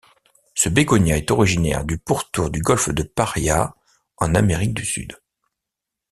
Ce bégonia est originaire du pourtour du Golfe de Paria, en Amérique du Sud.